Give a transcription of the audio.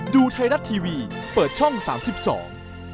ดูไทยรัฐทีวีเปิดช่อง๓๒